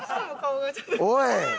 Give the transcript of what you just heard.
おい！